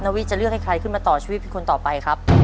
วิจะเลือกให้ใครขึ้นมาต่อชีวิตเป็นคนต่อไปครับ